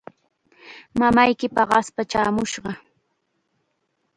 Mamayki paqaspa chaamushqa.